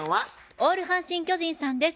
オール阪神・巨人さんです。